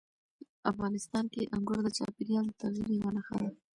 افغانستان کې انګور د چاپېریال د تغیر یوه نښه ده.